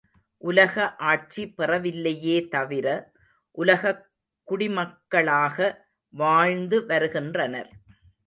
உலக ஆட்சி பெறவில்லையே தவிர, உலகக் குடிமக்களாக வாழ்ந்து வருகின்றனர்.